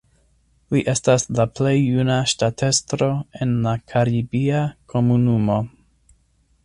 Li estas la plej juna ŝtatestro en la Karibia Komunumo.